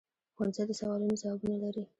ښوونځی د سوالونو ځوابونه لري